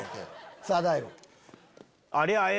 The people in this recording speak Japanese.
さぁ大悟。